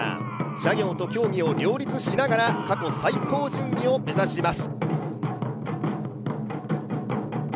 社業と競技を両立しながら過去最高順位を目指します。